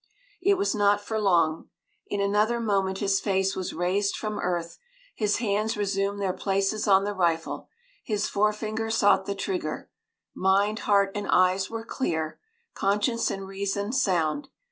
It was not for long; in another moment his face was raised from earth, his hands resumed their places on the rifle, his forefinger sought the trigger; mind, heart and eyes were clear, conscience and reason sound.